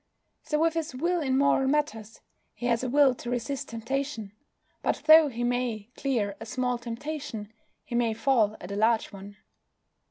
So with his will in moral matters. He has a will to resist temptation, but though he may clear a small temptation, he may fall at a large one.